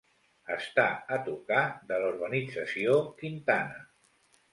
Està a tocar de la Urbanització Quintana.